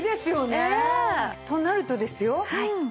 ねえ！となるとですよ